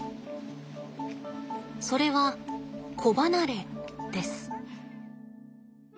それは子離れです。